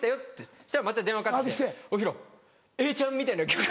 そしたらまた電話かかって来て「ヒロ永ちゃんみたいな曲」。